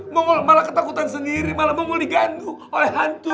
mongol malah ketakutan sendiri malah mongol diganggu oleh hantu